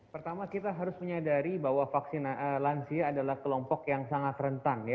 pertama kita harus menyadari bahwa lansia adalah kelompok yang sangat rentan